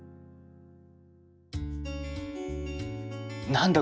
何だ？